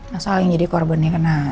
masalahnya jadi korbannya kena